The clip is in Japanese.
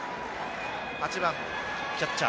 ８番のキャッチャー。